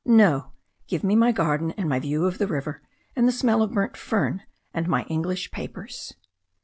No. Give me my garden and my view of the river, and the smell of burnt fern, and my English papers."